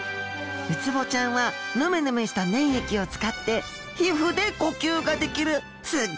ウツボちゃんはヌメヌメした粘液を使って皮膚で呼吸ができるすっ